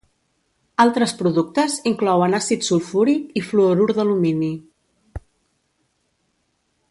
Altres productes inclouen àcid sulfúric i fluorur d'alumini.